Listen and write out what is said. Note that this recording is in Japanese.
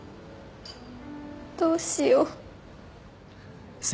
どうしよう。